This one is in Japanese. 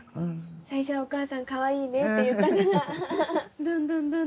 最初はお母さん「かわいいね」って言ったからどんどんどんどん。